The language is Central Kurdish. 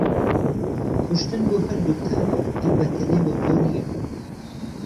کوشتن بۆ هەرتکتانه هەر به تهنێ بۆ تۆ نییه